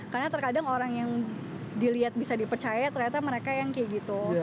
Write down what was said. karena terkadang orang yang dilihat bisa dipercaya ternyata mereka yang kayak gitu